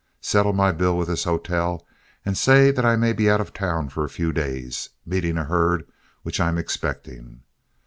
Settle my bill with this hotel, and say that I may be out of town for a few days, meeting a herd which I'm expecting.